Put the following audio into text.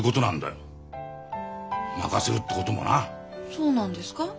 そうなんですか？